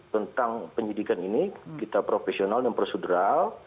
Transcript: tentang penyidikan ini kita profesional dan prosedural